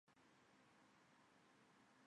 在华南普遍有此样的信仰。